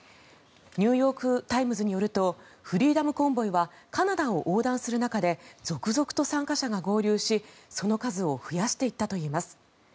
ニューヨーク・タイムズによるとフリーダム・コンボイはカナダを横断する中で続々と参加者が合流しその数を増やしていったといいます。